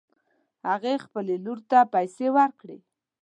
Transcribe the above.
هغې خپلې لور ته پیسې ورکړې